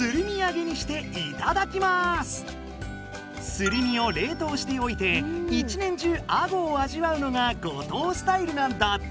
すり身を冷凍しておいて一年中アゴを味わうのが五島スタイルなんだって！